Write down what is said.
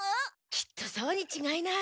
きっとそうにちがいない。